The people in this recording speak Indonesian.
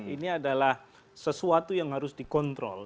ini adalah sesuatu yang harus dikontrol